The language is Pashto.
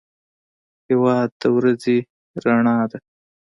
هېواد د ورځې رڼا ده.